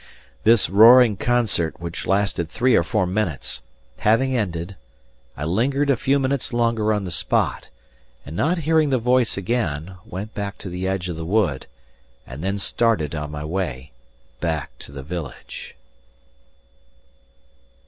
This roaring concert, which lasted three or four minutes, having ended, I lingered a few minutes longer on the spot, and not hearing the voice again, went back to the edge of the wood, and then started on my way back to the village.